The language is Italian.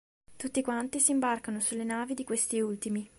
Tutti quanti si imbarcano sulle navi di questi ultimi.